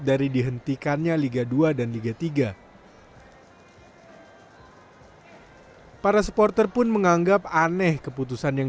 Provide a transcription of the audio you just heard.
dari dihentikannya liga dua dan liga tiga para supporter pun menganggap aneh keputusan yang